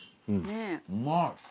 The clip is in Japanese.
うまい。